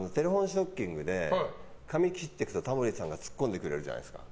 ショッキングで髪切っていくとタモリさんが突っ込んでくれるじゃないですか。